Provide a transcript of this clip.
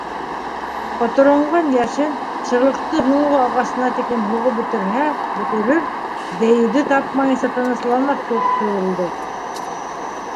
Ҡоторонған йәшен шырлыҡты һуңғы ағасына тиклем һуғып бөтөрһә-бөтөрөр, дейеүҙе тапмайынса тынысланмаҫ кеүек тойолдо.